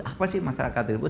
apa sih masyarakat ribut